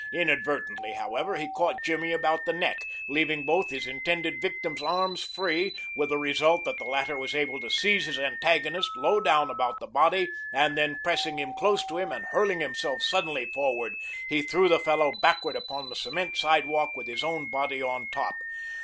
Inadvertently, however, he caught Jimmy about the neck, leaving both his intended victim's arms free with the result that the latter was able to seize his antagonist low down about the body, and then pressing him close to him and hurling himself suddenly forward, he threw the fellow backward upon the cement sidewalk with his own body on top.